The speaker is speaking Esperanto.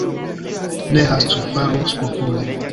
Ne hastu, faru skrupule.